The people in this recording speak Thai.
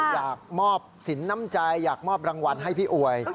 อยากมอบสินน้ำใจอยากมอบรางวัลให้พี่อวย